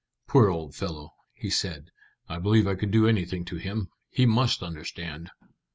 "Poor old fellow," he said. "I believe I could do anything to him. He must understand."